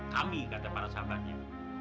kami kata para sahabatnya